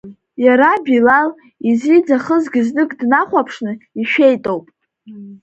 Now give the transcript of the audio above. Иара, Билал, изиӡахызгьы знык днахәаԥшны ишәеитоуп.